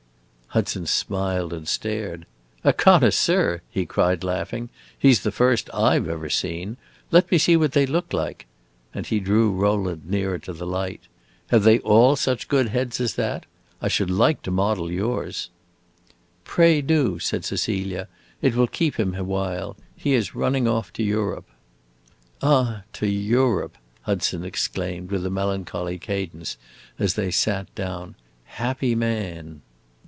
Hudson smiled and stared. "A connoisseur?" he cried, laughing. "He 's the first I 've ever seen! Let me see what they look like;" and he drew Rowland nearer to the light. "Have they all such good heads as that? I should like to model yours." "Pray do," said Cecilia. "It will keep him a while. He is running off to Europe." "Ah, to Europe!" Hudson exclaimed with a melancholy cadence, as they sat down. "Happy man!"